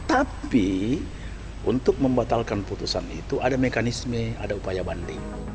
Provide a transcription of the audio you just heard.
tapi untuk membatalkan putusan itu ada mekanisme ada upaya banding